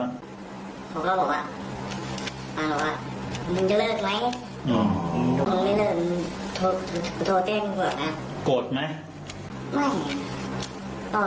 โดนพิธีเนี่ย